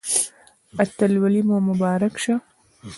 اتلولي مو مبارک شه